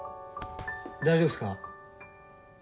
大丈夫っすか？